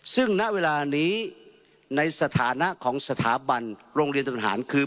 ซึ่งณเวลานี้ในสถานะของสถาบันโรงเรียนทหารคือ